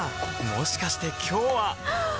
もしかして今日ははっ！